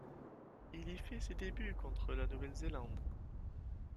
Il y fait ses débuts contre la Nouvelle-Zélande.